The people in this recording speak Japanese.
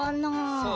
そう。